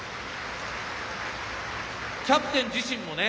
キャプテン自身もね